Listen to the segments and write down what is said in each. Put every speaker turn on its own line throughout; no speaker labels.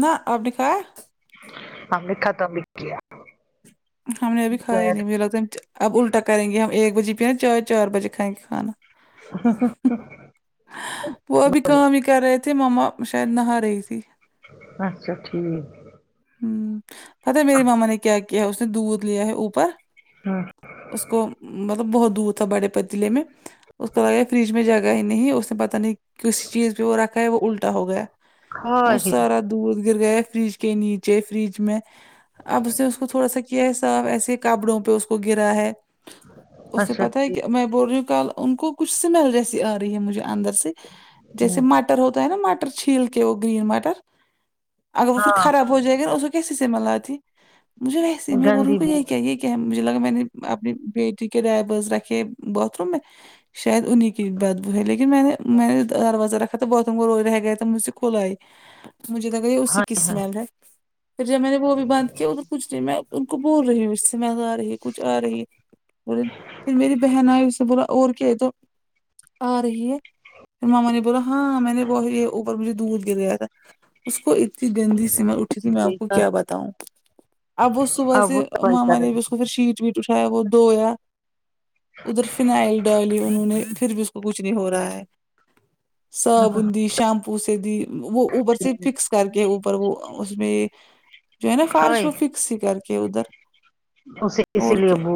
نہ آپ نے کھایا
ہم نے ختم بھی کیا کیا
ہم نے ابھی کھایا نہیں مجھے لگتا ہے اب الٹا کریں گے ہم ایک بجے ہی پیا نا چائے چار بجے کھائیں گے کھانا
ہاں ہاں
وہ ابھی کام ہی کر رہے تھے مما شاید نہا رہی تھی
اچھا ٹھیک
ہم پتا میری ماما نے کیا کیا اس نے دودھ لیا ہے اوپر
ہاں
اس کو مطلب بہت دودھ تھا بڑے پتیلے میں اس کو لگا فریج میں جگا ہی نہیں اس نے پتاہ نہیں کسی چیز پہ وہ رکھا ہے وہ الٹا ہو گیا ہے
ہاں
وہ سارا دودھ گر گیا فریج کے نیچ چ فریج میں اب اس نے اس کو تھوڑا سا کیا ہے صاف ایسے کپڑوں پہ اس کو گرا ہے اسے
اچھا
پتا ہے
ٹھیک
کہ میں بول رہی ہوں کل ان کو کچھ سمیل جیسی آ رہی ہے مجھے اندر سے
ہ
جیسے مٹر ہوتا ہے نا مٹر چھیل کے وہ گرین مٹر اگر وہ پھر
ہاں
خراب ہو جائے گا اس کو کیسے سے ملات ت مجھے ویسی میں بول رہوںی
گندی بو
کہ یہ کیا یہ کیا مجھے لگا میں نے اپنی بیٹی کے رائے باز رکھے باتھ روم میں شاید انہ کی بات ب ہے لیکن میں نے میں نے دروازہ رکھا تھا باتتوں کو رو رہ گیا تو مجھ سے کھلئے مجھے لگا یہ
ہاں
اسی کی سمل ہے پھر جب میں نے وہ بھی بند کیا ا تو کچھ نہیں میں ان کو بول رہی ہوں سمیل آ رہی کچھ آ رہی بے پھر میری بہن آئی اس سے بولا اور کیا ہے تو آ رہی ہے پھر ماما نے بولا ہاں میں نے بہت اوپر مجھے دھود گر گیا تھا اس کو اتنی گندی سمیل جی میں آپ کو
دیکھا
کیا بتاؤں اب وہ صبح
ہاں
سے
وہ صفائی
ماما
کر
نے بھی اس کو کچھ شیٹ ویٹ اٹھایا وہ دھویا ادھر فناائل ڈال لی انہوں نے پھر بھی اس کو کچھ نہیں ہو رہا ہے
رہے
صابن دی شیمپو سے دی وہ اوپر سے فکس کر کے اوپر وہ اس میں جو ہے نا
ہاں
فارش وہ فکس کر کے ادھر
اس اسی
اور
لیے
کیا
بو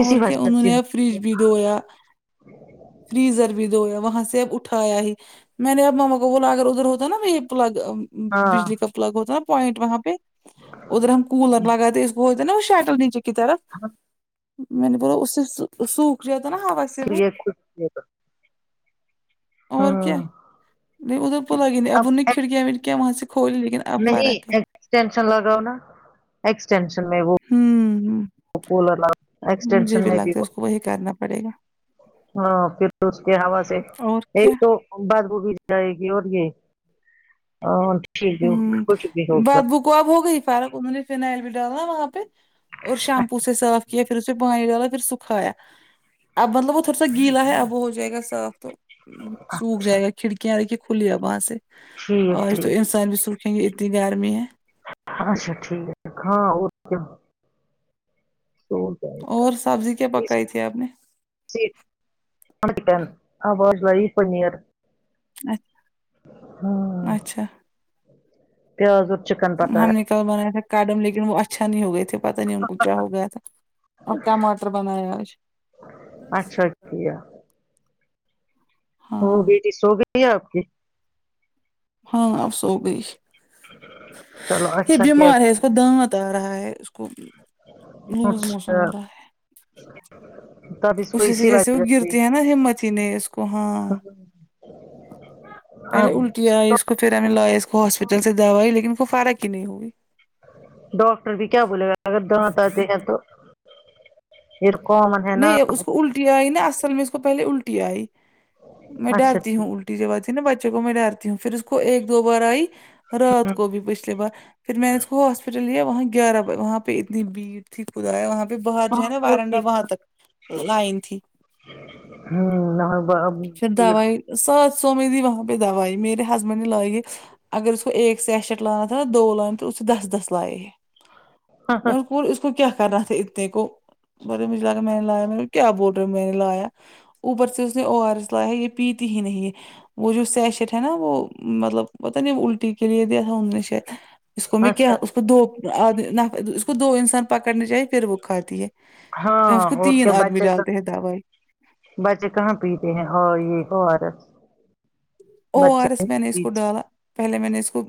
اور
اسی
کیا
وجہ
انہوں
سے
نے فرج بھی دھویا فریزر بھی دویا وہاں سے اب اٹھایا ہی میں نے اب ماما کو بولا اگر ادھر ہوتا ہے نا ابھی ایک پلگ
ہاں
بجلی کا پلگ ہوتا نا پوائنٹ وہاں پہ ادھر ہم کولر لگاتے اس کو وہ شیٹل نیچے کی طرف میں نے بو اس سوکھ رہیا تھا نا ہوا سے وہ
یہ
اور کیا
ہاں
نہیں پلگ ہی نہیں ابون نے کھڑکیاں وڑکیاں وہاں سے کھول لیکن اب
نہیں
فرق ہے
ایکسٹینشن لگاؤ نا ایکسٹینشن میں وہ
ہممم
کولر لگا
مجھے
ایکسٹینشن
بھی
میں
لگتا ہے اس کو وہی کرنا پڑے گا
ہاں پھر تو اس کے ہوا سے
اور کیا
ایک تو بعد بو بھی جائے گی اور یہ کچھ بھی ہوگا
کب ہو گئی فارق انہوں نے فنائل بھی ڈالا وہاں پہ اور شیمپو سے سرف پھر اسے پانی ڈالا پھر سکھایا اب مطلب وہ تھوڑا سا گیلا ہے اب وہ ہو جائے گا صاف تو سوکھ
اچھا
جائے گا کھڑکیاں دھیے کھلی ہے وہاں سے
ٹھیک
اور
ٹھیک
سوکھے گے اتنی گرمی ہے
اچھا ٹھیک ہے ہاں اور کیا سو جائے گا
اور سبزی کیا پکائی تھی آپ نے
[unintelligible]
ا
ہاں پیاز اور چکن پکایا
ہم نے کل بنایا تھا کاڈم لیکن وہ اچھا نہیں ہوئے تھے پتہ نہیںی ان کو کیا ہو گیا تھا اور ٹماٹر بنائے آج
اچھا کیا
ہاں
وہ بیٹی سو گئی ہے آپ کی
ہاں اب سو گئی
چلو
یہ
اچھا کیا
بیمار ہے دانت آ رہا ہے اس کو لوز موشن
اچھا
ہو رہا ہے
تب اس کو
اسی سے جیسے وہ
وجہ سے
گرتی ہے نا ہمت ہی نہیں ہے اس کو ہاں پہلے
اب
الٹیا آئی اس کو پھر ہمیں لایا اس کو ہاسپٹل سے دوائی لیکن ان کو فرق ہی نہیں ہوگی
ڈاکٹر بھی کیا بولے گا اگر دانت آتے ہیں تو پھر کامن ہے نا
نہیں اب اس کو الٹی آئی نا اصل میں اس کو پہلے الٹی آئی میں
اچھا
ڈرتی
ٹھیک
ہوں الٹی جب آتی ہے نا بچے کو میں ڈرتی ہوں پھر اس کو ایک دو بار آئی رات کو بھی پچھلیے بار پھر میں نے اس کو ہاسپٹل لیا وہاں گیارہ ب وہاں پہ اتنی بیت ٹھیکدا ہے وہاں پہ باہ جو ہے
ہاں
نا
وہ
وارنڈا
ٹھیک
وہاں تک لائن تھی پھر دوائی سات سو میں دی وہاں پہ دوائی میرے ہسبینڈ نے لائیے اگر اس کو ایک سچٹ لانا تھا نا دو لائنے تو اس دس دس لائے ہے یہ
ہاں
میں اس کو اس کو کیا کرنا چائے اتے کو بڑے مجھ میں لایا میں نے کیا بول رہے ہو میں نے لایا اوپر سے اس نے او ار اس لایا یہ پیتی ہی نہیں وہ جو سیشٹ ہے نا وہ مطلب پتا نہیں الٹی کے لیے دیا تھا انہوں نے شاید اس کو میں
اچھا
کیا اس کو دو اس کو دو انسان پکڑنے چاہیے پھر وہ کھاتی ہے
ہاں
اس کو
اور
تین
کیا
آدمی
بچے تو
ڈالتے ہیں دوائی
بچے کہاں پیتے ہیں ہے یہ O R S
O R
بچے
ایس میں نے اس کو ڈالا پہلے میں نے اس کو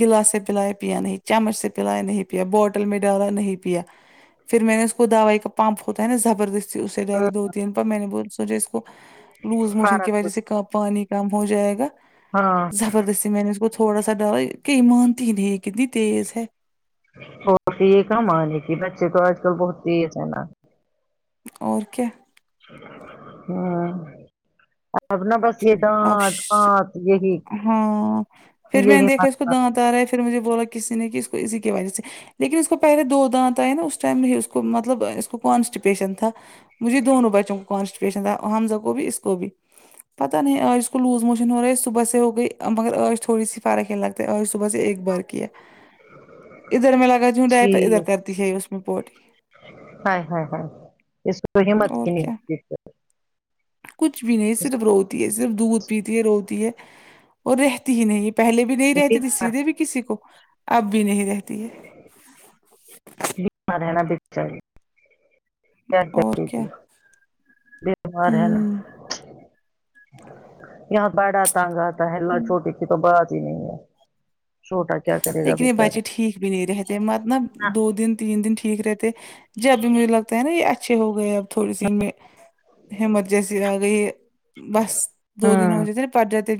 گلاس سے پلایا پیا نہیں چمچ سے پلایا نہیں پیا بوٹل میں ڈالا نہیں پیا پھر میں نے اس کو دوائی کا پمپ ہوتا ہے نا زبردست اسے درد ہوتی ہے پر میں نے بولا سوچے اس کو لوز موشن کی
فارق
وجہ سے کا پانی کم ہو جائے گا
ہاں
زبردستی میں نے اس کو تھوڑا سا ڈالا کہ یہ مانتی ہی نہیں ہے یہ کتنی تیز ہے
ہو تو یہ کہاں مانے گی بچے تو آج کل بہت تیز ہیں نا
اور کیا
اور سب نا بس یہ
اب
دانت
ش...
وانت یہی
ہاں پھر میں نے
یہی
دیکھا اس کو
[unintelligible]
دانت آ رہا ہے پھر مجھے بولا کسی نے کہ اس کو اسی کی وجہ سے لیکن اس کو پہلے دو دانت آئے نہ نا اس ٹائم ہی اس کو مطلب اس کو کانسٹیپیشن تھا مجھے دونوں بچوں کو کانسٹیپیشن تھا حمزہ کو بھی اس کو بھی تو نہیں آج اس کو لوز موشن ہو رہا ہے صبح سے ہو گئی مگر آج تھوڑی سی فرق ہی لگتا ہے آج صبح سے ایک بار ادھر میں لگا تی ہوں ڈائپر ہے ادھر کرتی ہے اس میں پوٹی
ہاے ہاے ہ اس کو ہمت
اور
کی نہیں
کیا
ہے
کچھ بھی نہیں صرف روت ہے صرف دودھ پیتی ہے روتی ہے اور رہتی ہی نہیں پہلے بھی نہیں رہتی تس سے سیدھے بھی کسی کو اب بھی نہیں رہتی ہے
بی رہنا بچایے کیا
اور
کرتی
کیا
پھر وہ بیمار ہے نا
ہمم
یہاں بڑا تازہ ہے نہ چھوٹی کی تو بات ہی نہیں ہے چھوٹا کیا کرے گا
لیکن یہ بچے
بیچارہ
ٹھیک بھی نہیں رہتے مطلب دو دن تین دن ٹھیک رہتے جب بھی مجھے لگتا ہے نا یہ اچھے ہو گئے اب تھوڑے دن میں ہمت جیسے آ گئی ہے بس دو دن ہو
ہوں
جاتے نا پٹ جت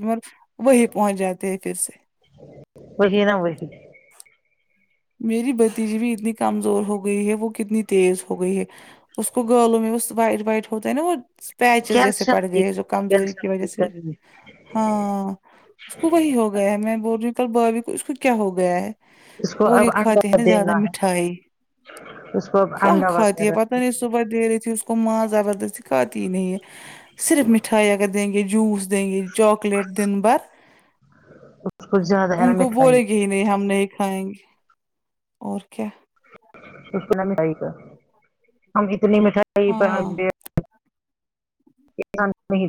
وہی پہنچ جاتے ہیں پھر سے
وہی نہ وہی
میری بھتیجی بھی اتنی کمزور ہو گئی ہے وہ کتنی تیز ہو گئی ہے اس کو گالوں میں اس وائٹ وائٹ ہوتا ہے نا وہ اسپیچز جیسے
کیلشیم
پڑ
کی
گئے جو کمزوری کی
کیلشیم
وجہ سے
کمی
ہاں اس کو وہی ہوگا گیا ہے میں بول رہی ہوں کل بھابھی کو اس کو کیا ہو گیا ہے
اس کو
اور یہ
اب
کھاتے ہیں
انڈا
نا زیادہ
دینا ہے
مٹھائی
اس کو اب
کہاں
انڈا
کھاتے ہیں
وغیرہ
پتا نہیں اس صبح دے رہی تھی اس کو ماں زبردستی کھاتی ہی نہیں ہے صرف مٹھائی اگر دیں گے جوس دیں گے چاکلیٹ دن بھر
کو زیادہ ہے نا
ان کو
مٹھائی
بولے گی جی نہیں ہم نہیں کھائیں گے اور کیا
اس کو نہ مٹھائی کا ہم اتنی مٹھائی
ہاں
[unintelligible] [unintelligible] نہیں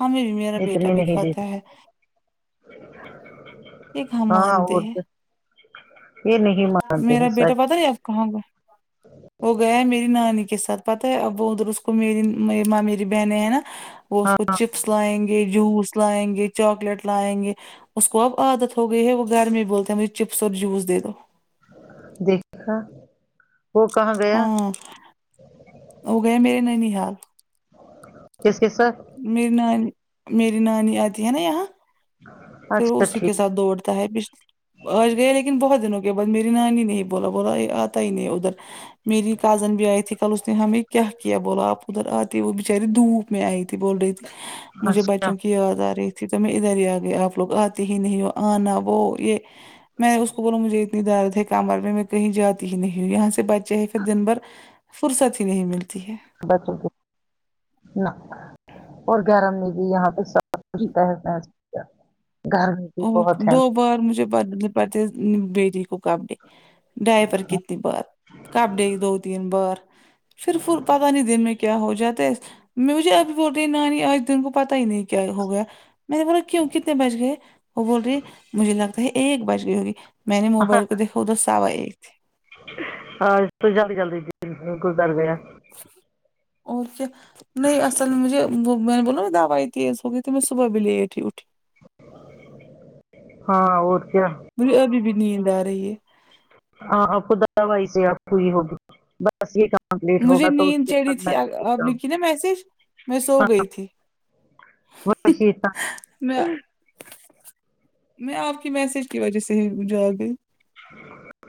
ہمیں بھی میرا
دیتے
بیٹا
اتنی
بھی
نہیں
کھاتا
دیتے
ہے یہ کہاں
ہاں
مانتے
اور
ہیں
کیا یہ نہیں مانتے ہیں سچ
پتے اب کہاں گئے وہ گیا ہے میری نانی کے ساتھ پتا ہے ا وہ ادھر اس کو میری ممیرے بہنیں ہیں نا وہ اس
ہاں
کو چپس لائیں گے جوس لائیں گے چاکلیٹ لا ئیں گے اس کو اب عادت ہو گئی ہے وہ گھر میں بولتا ہے مجھے چپس اور جوس دے دو
دیکھا وہ کہاں گئے
ہاں وہ گئے میرے نینی حال
کس کے ساتھ
میری نانی میری نانی آتی ہے نا یہاں پھر
اچھا
اسی کے
ٹھیک
ساتھ دوڑتا ہے وہ آج گئے لیکن بہت دنوں کے بعد میری نانی نے ہی بولا بولا یہ آتا ہی نہیں ادھر میری کزن بھی آئی تھی کل اس نے ہمیں کیا کیا بولو آپ ادھر آتے وہ بچاری دھوپ میں آئی تھی بول رہی تھی مجھے
اچھا
بچوں کی یاد آ رہی تھی تو میں ادھر ہی آ گئی آپ لوگ آتے ہی نہیں آنا وہ یہ میں اس کو بولوں مجھے اتنی درد ہے کمر میں میں کہیں جاتی ہی نہیں ہوں یہاں سے بچے ہے پھر دن بھر فرصت ہی نہیں ملتی ہے
بچوں کے نہ اور گرم نے بھی یہاں پہ سب سبچھ گھر میں [unintelligible]
اور دو بار مجھے بدلنی پڑتی ہے بیری کو کپڑے ڈائپر کتنی بار کپڑے دو تین بار پھر فر پتہ نہیں دن میں کیا ہو جاتا ہے مجھے آج بہت نیند ارہی اور تم کو پتہ ہی نہیں کیا ہو گیا میں نے بولا کیوں کتنے بج گئے وہ بول رہی مجھے لگتا ہے ایک بج گئی ہوگی میں نے موبائل کو دیکھا ادھر ساوا ایک
ہاں اس تو جلد جلد تھی گھر گیا تو
اور کیا نہیں اصل مجھے وہ میں نے بولا دوائی تیز ہو گئی تھی تو میں صبح بھی ی لیٹ ہی اٹھی
ہاں اور کیا
مجھے ابھی بھی نیند آ رہی ہے
آں آپ دوائی سے آپ یہ ہوگی بس یہ کمپلیٹ
مجھے
ہوگا تو اس
نیند
کے
چڑھی
بعد میں
تھی آپ
سوچتا
نے
ہوں
کی نا میسج میں سو گئی تھی
بہت [unintelligible]
میں میں آپ کی میسج کی وجہ سے ہی جاگ گئی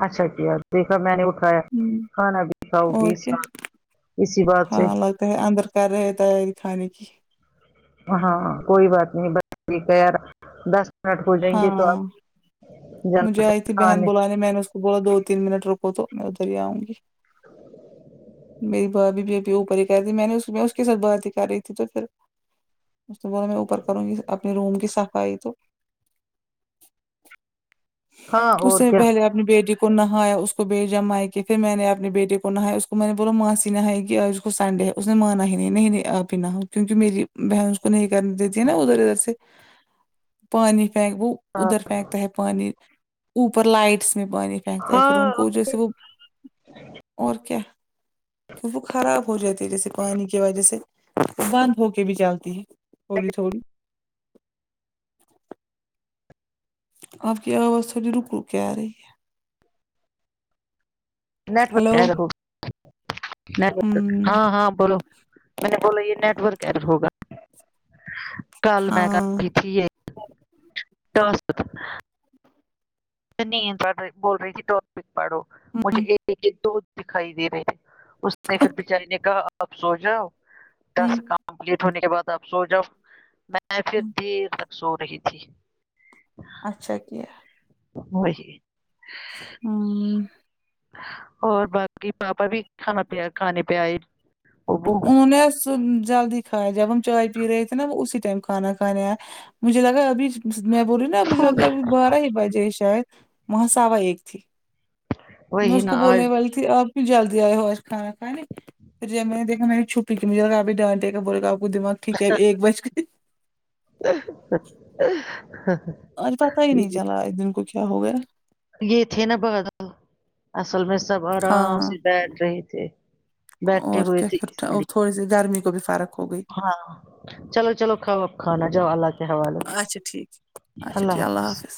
اچھا کیا دیکھا میں نے اٹھایا
گئی
کھانا بھی کھاؤ
اور
گی
کیا
ساتھ اسی بات سے
ہاں لگتا اندر کر رہے ہیں تیاری کھانے کی
ہاں کوئی بات نہیں بس ٹھیک ہے یار دس منٹ ہو جائیں گے تو آپ
ہاں مجھے
جانا
آئی تھی بہن
کھانے
بلانے میں نے اس کو بولا دو تین منٹ رکو تو میں ادھر ہی آؤں گی میری بھابھی بھی رہتی اوپر ہی کہتی میں نے اس میں اس کے سا تھ بات ہی کر رہی تھی تو پھر اس نے بولا میں اوپر کروں گی اپنے روم کی صفائی تو
ہاں
اس
اور
سے
کیا
پہلے آپ اپنی بیٹی کو نہایا اس کو بھیجا میکے پھر میں نے اپنے بیٹی کو نہایا اس کو میں نے بولا ما سی نہائی گی اج پسند ہے اس نے مانا ہی نہیں نہیں پینا کیونکہ میری بہن اس کو نہیں کرنے دیتی ہے نا ادھر ادھر سے
[inaudible]
پانی پھیینک وہ
ہاں
ادھر پھینکتا پانی اوپر لائٹس میں پانی پہکتا ہے ان کو پھر ان
ہاں
کو جیسے وہ اور کیا کہ وہ خراب ہو جاتی ہے جیسے پانی کی وجہ سے بند ہو کے بھی چلتی ہے تھوڑی تھوڑی آپ کی آواز تھوڑی روک روک کے آ رہی ہے
network
hello
error network
ہمم
ہاں ہاں بولو میں نے بولا یہ نیٹورک ایرر ہوگا کل میں
ہاں
کی تھی یہ ٹاسک نیند پڑ رہی بول رہی تھی ٹاپک پاڑو مجھے
ہمم
ایک کے دو دکھائی دے رہے تھے اس نے پھر بچاری نے کہا آپ سو جاؤ
ہمم
دس کام کمپلیٹ ہونے کے بعد آپ سو جاؤ میں
ہمم
پھر سو رہی تھی
اچھا کیا
وہی
ہممم
اور باقی پاپا بھی کھانا پہ کھانے پے آۓ
[unintelligible] جلدی کھایا جب ہم چائے پی رہے تھے نا وہ اسی ٹائم کھانا کھانے آئے مجھے لگا ابھی میں بول رہی ہو نا مجھے لگتا ہے بارہ بجے شاید وہاں سوا ایک تھے میں
وہی
اس کو
نا
بولنے
آج
والی تھی آپ بھی جلدی آئے ہو آج کھانا کھانے پھر جب میں نے دیکھا میں نے چھپی کی مجھے لا آپ ڈانٹے کے بولے آپ کو دماغ ٹھیک ہے ایک بجے
ہاں ہاں
آج پتا ہی نہیں چلا اس دن کو کیا ہو گیا
یہ تھے نا [unintelligible] اصل میں سب آرام
ہاں
سے بیٹھ رہے تھے بیٹھے
اور
ہوئے
کیا
تھے اس
کر
لیے
تھوڑی سی گرمی کو بھی فرق ہو گئی
ہاں چلو چلو کھاؤ کھانا جاؤ اللہ کے حوالے
اچھا ٹھیک اچھا ٹھیک اللہ حافظ